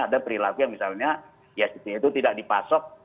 ada perilaku yang misalnya ya itu tidak dipasok